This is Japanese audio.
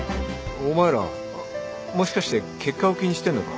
お前らもしかして結果を気にしてんのか？